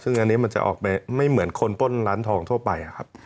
ซึ่งอันนี้มันจะออกไปไม่เหมือนคนป้นร้านทองทั่วไปครับ